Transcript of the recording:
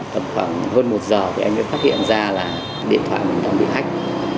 khoảng hơn một giờ thì anh mới phát hiện ra là điện thoại mình đang bị hách